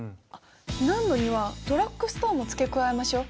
避難路にはドラッグストアも付け加えましょう。